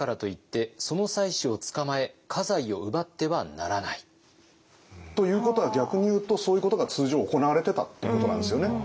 あとということは逆に言うとそういうことが通常行われてたってことなんですよね。